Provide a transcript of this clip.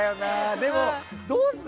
でも、どうする？